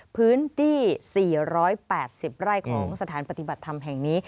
พื้นที่๔๘๐ไร่ของสถานปฏิบัติธรรมแห่งนี้